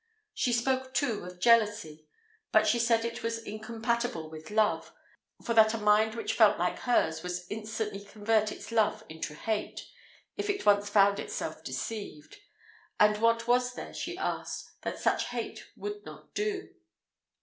She spoke, too, of jealousy, but she said it was incompatible with love, for that a mind which felt like hers would instantly convert its love into hate, if it once found itself deceived: and what was there, she asked, that such hate would not do?